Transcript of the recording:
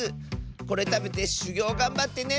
これたべてしゅぎょうがんばってねって！